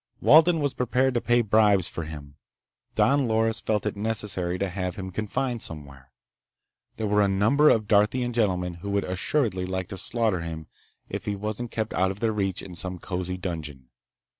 Walden was prepared to pay bribes for him. Don Loris felt it necessary to have him confined somewhere. There were a number of Darthian gentlemen who would assuredly like to slaughter him if he wasn't kept out of their reach in some cozy dungeon.